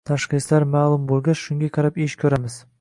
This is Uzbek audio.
Tashxislar ma’lum bo‘lgach, shunga qarab ish ko‘ramiz…